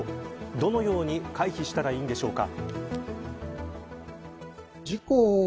どのように回避したらいいんでしょうか。